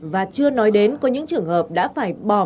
và chưa nói đến có những trường hợp đã phải bỏ